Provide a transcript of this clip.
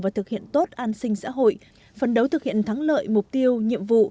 và thực hiện tốt an sinh xã hội phấn đấu thực hiện thắng lợi mục tiêu nhiệm vụ